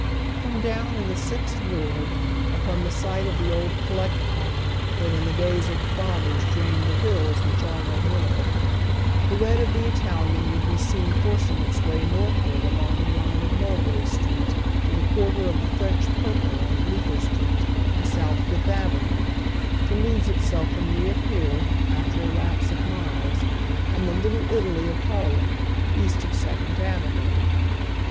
From down in the Sixth Ward, upon the site of tlie old Collect Pond that in the days of the fathers drained the hills whicli are no more, the red of the Italian would be seen forcing its way northward along the line of Mulberry Street to the quarter of the Fi'ench purple on Bleeeker Street and South Fifth Avenue, to lose itself and reappear, after a lapse of miles, in the " Little Italy " of Harlem, east of Second Avenue.